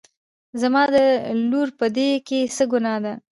زما د لور په دې کې څه ګناه ده